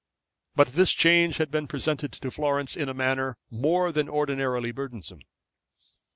But this change had been presented to Florence in a manner more than ordinarily burdensome.